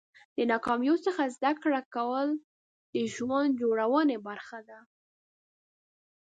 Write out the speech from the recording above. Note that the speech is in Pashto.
د ناکامیو څخه زده کړه کول د ژوند جوړونې برخه ده.